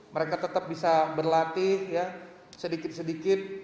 mereka tetap bisa berlatih sedikit sedikit